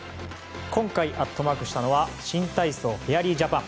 今回アットマークしたのは新体操フェアリージャパン。